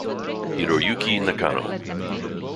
Hiroyuki Nakano